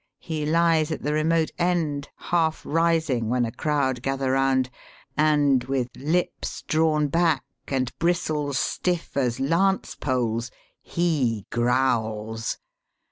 He lies at the remote end half rising when a crowd gather round, and with lips drawn back and bristles stiff as lance poles, he growls.